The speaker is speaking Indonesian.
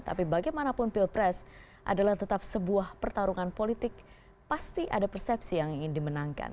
tapi bagaimanapun pilpres adalah tetap sebuah pertarungan politik pasti ada persepsi yang ingin dimenangkan